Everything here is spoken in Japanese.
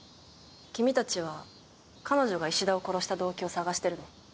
君たちは彼女が衣氏田を殺した動機を探してるの？